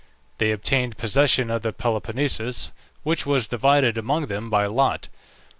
They obtained possession of the Peloponnesus, which was divided among them by lot.